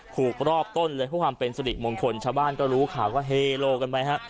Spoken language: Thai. ผูกรอบต้นเลยเพื่อความเป็นสิริมงคลชาวบ้านก็รู้ข่าวก็เฮโลกันไปฮะ